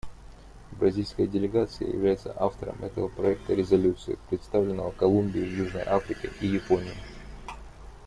Бразильская делегация является автором этого проекта резолюции, представленного Колумбией, Южной Африкой и Японией.